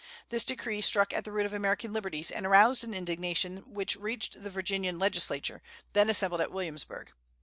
This decree struck at the root of American liberties, and aroused an indignation which reached the Virginian legislature, then assembled at Williamsburg.